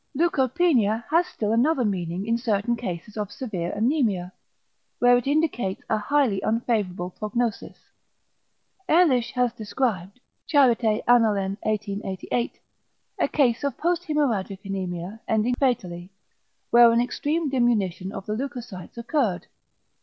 Leukopenia has still another meaning in certain cases of severe anæmia, where it indicates a highly unfavourable prognosis. Ehrlich has described (Charité Annalen 1888) a case of posthæmorrhagic anæmia ending fatally, where an extreme diminution of the leucocytes occurred.